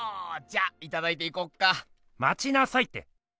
じゃいただいていこっか。まちなさいって！